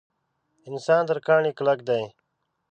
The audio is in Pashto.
انسان تر کاڼي کلک دی.